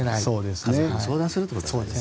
家族に相談するということですね。